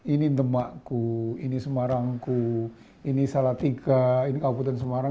ini temakku ini semarangku ini salah tiga ini kabupaten semarang